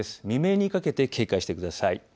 未明にかけて警戒してください。